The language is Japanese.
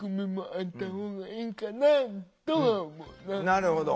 なるほど。